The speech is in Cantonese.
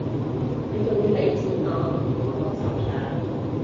佢仲要畀錢我叫我幫手搶